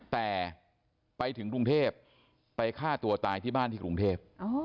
แต่ไปถึงกรุงเทพไปฆ่าตัวตายที่บ้านที่กรุงเทพ